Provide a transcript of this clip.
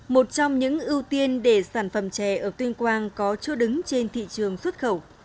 một trong những ưu tiên để sản phẩm chè ở tuyên quang có chỗ đứng trên thị trường xuất khẩu